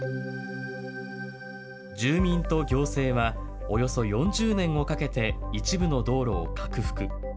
住民と行政はおよそ４０年をかけて一部の道路を拡幅。